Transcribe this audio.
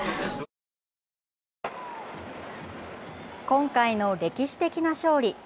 今回の歴史的な勝利。